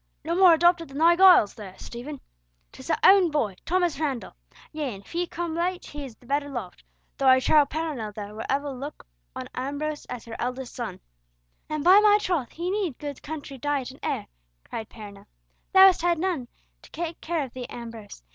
"No more adopted than thy Giles there, Stephen. 'Tis our own boy, Thomas Randall! Yea, and if he have come late, he is the better loved, though I trow Perronel there will ever look on Ambrose as her eldest son." "And by my troth, he needs good country diet and air!" cried Perronel. "Thou hast had none to take care of thee, Ambrose.